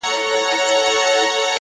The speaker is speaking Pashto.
مثبت فکرونه انرژي زیاتوي,